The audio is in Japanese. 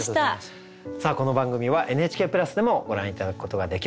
さあこの番組はＮＨＫプラスでもご覧頂くことができます。